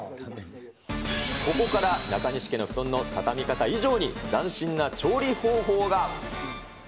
ここから、中西家の布団の畳み方以上に、斬新な調理方法が。